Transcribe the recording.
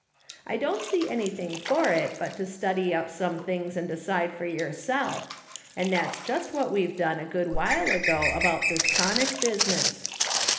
I don't see anything for it but to study up some things and decide for yourself; and that's just what we've done a good while ago about this tonic business.